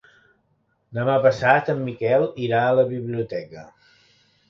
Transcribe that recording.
Demà passat en Miquel irà a la biblioteca.